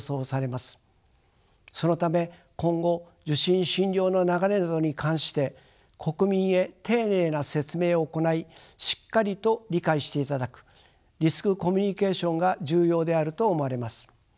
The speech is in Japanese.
そのため今後受診・診療の流れなどに関して国民へ丁寧な説明を行いしっかりと理解していただくリスクコミュニケーションが重要であると思われます。